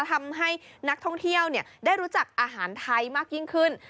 ทำให้นักท่องเที่ยวได้รู้จักอาหารไทยมากยิ่งขึ้น